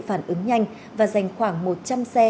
phản ứng nhanh và dành khoảng một trăm linh xe